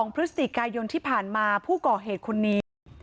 พฤศจิกายนที่ผ่านมาผู้ก่อเหตุคนนี้